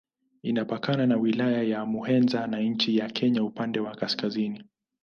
Inapakana na Wilaya ya Muheza na nchi ya Kenya upande wa kaskazini.